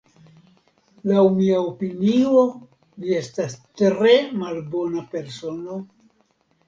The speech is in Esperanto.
Laŭ mia opinio vi estas tre malbona persono?